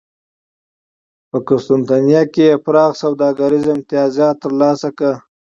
په قسطنطنیه کې یې پراخ سوداګریز امتیازات ترلاسه کړل